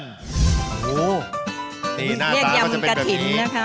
อย่างนี้